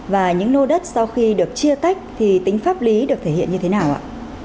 và những lô đất sau khi được chia tách thì tính pháp lý được thể hiện như thế nào ạ